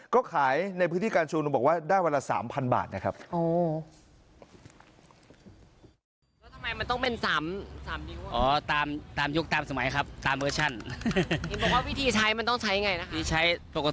ก็ขายในพื้นที่การชุมนุมบอกว่าได้วันละ๓๐๐บาทนะครับ